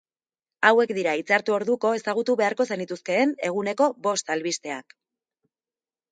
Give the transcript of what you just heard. Hauek dira itzartu orduko ezagutu beharko zenituzkeen eguneko bost albisteak.